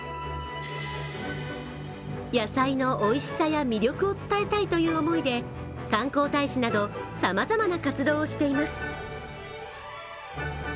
野菜のおいしさや魅力を伝えたいという思いで観光大使など、様々な活動をしています。